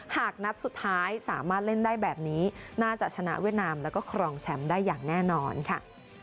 หากนัดสุดท้ายสามารถเล่นได้แบบนี้น่าจะชนะเวียดนามแล้วก็ครองแชมป์ได้อย่างแน่นอนค่ะ